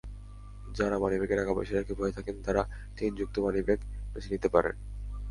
যাঁরা মানিব্যাগে টাকাপয়সা রেখে ভয়ে থাকেন, তাঁরা চেইনযুক্ত মানিব্যাগ বেছে নিতে পারেন।